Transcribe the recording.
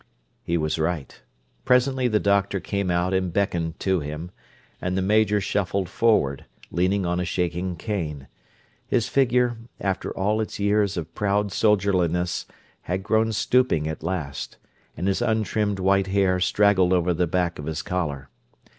He was right—presently the doctor came out and beckoned to him; and the Major shuffled forward, leaning on a shaking cane; his figure, after all its Years of proud soldierliness, had grown stooping at last, and his untrimmed white hair straggled over the back of his collar.